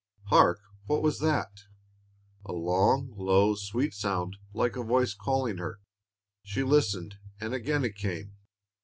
Hark! what was that? A long, low, sweet sound, like a voice calling her. She listened, and again it came.